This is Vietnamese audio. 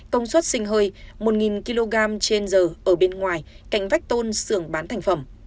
công suất sinh hơi một kg trên giờ ở bên ngoài cạnh vách tôn sưởng bán thành phẩm